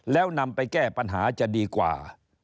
แล้วนำไปแก้ปัญหาจะดีกว่า